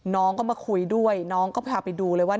น้องก็มาคุยด้วยน้องก็พาไปดูเลยว่า